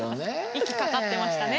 息かかってましたね